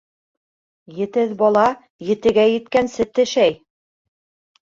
Етеҙ бала етегә еткәнсе тешәй.